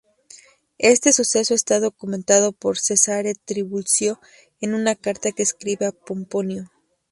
Este suceso está documentado por Cesare Trivulzio, en una carta que escribe a Pomponio.